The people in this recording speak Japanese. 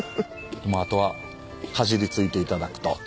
まああとはかじりついていただくと。